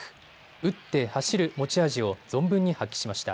打って走る持ち味を存分に発揮しました。